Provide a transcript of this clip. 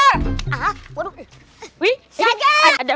jangan duit lu pikirannya